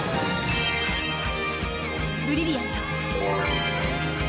ブリリアント！